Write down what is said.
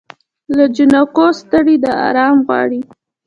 له جنګو ستړې ده آرام غواړي